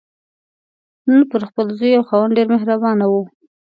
نن پر خپل زوی او خاوند ډېره مهربانه وه.